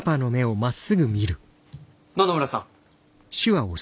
野々村さん。